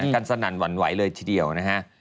กันสนั่นหวั่นไหวเลยทีเดียวนะฮะ